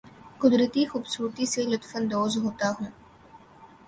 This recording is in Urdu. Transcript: قدرتی خوبصورتی سے لطف اندوز ہوتا ہوں